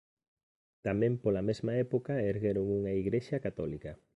Tamén pola mesma época ergueron unha igrexa católica.